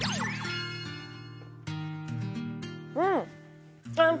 うん！